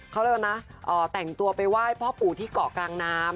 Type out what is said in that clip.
เขาเรียกว่านะแต่งตัวเก็บไปไหว่พ่อผูที่เกาะกลางน้ำนะคะ